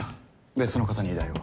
別の方に依頼を。